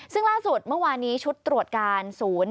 ซึ่งล่าสุดเมื่อวานนี้ชุดตรวจการศูนย์